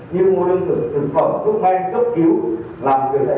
thứ bốn là cơ sở sản xuất kinh doanh dịch vụ hàng hóa thích yêu để phục vụ người dân